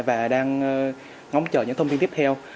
và đang ngóng chờ những thông tin tiếp theo